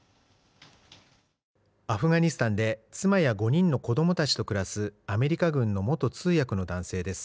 アフガニスタンで妻や５人の子どもたちと暮らすアメリカ軍の元通訳の男性です。